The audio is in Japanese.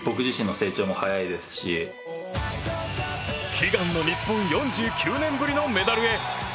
悲願の日本４９年ぶりのメダルへ。